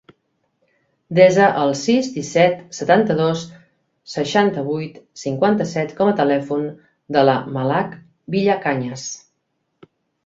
Desa el sis, disset, setanta-dos, seixanta-vuit, cinquanta-set com a telèfon de la Malak Villacañas.